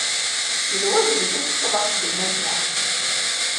D lwaǧeb-ik ad tekfuḍ axeddim-agi.